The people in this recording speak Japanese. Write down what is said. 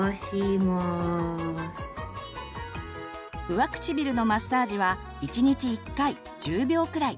上唇のマッサージは１日１回１０秒くらい。